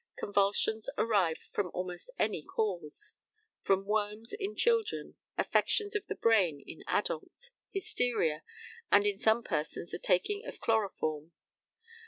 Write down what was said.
Convulsions arise from almost any cause from worms in children, affections of the brain in adults, hysteria, and in some persons the taking of chloroform.